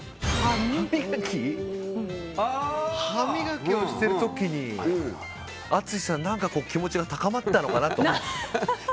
歯磨きをしている時に淳さん何か気持ちが高まったのかなと。